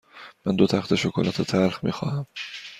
من دو تخته شکلات تلخ می خواهم.